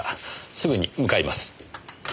すぐに向かいます。